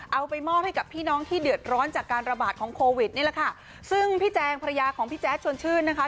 เอาไปมอบให้กับพี่น้องที่เดือดร้อนจากการระบาดของโควิดนี่แหละค่ะซึ่งพี่แจงภรรยาของพี่แจ๊ดชวนชื่นนะคะ